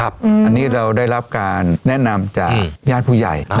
อันนี้เราได้รับการแนะนำจากญาติผู้ใหญ่